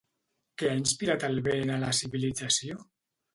Què ha inspirat el vent a la civilització?